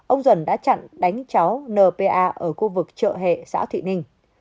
ông duẩn đã chặn đánh cháu npa ở khu vực chợ hệ xã thụy ninh